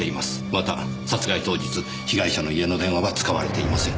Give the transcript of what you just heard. また殺害当日被害者の家の電話は使われていません。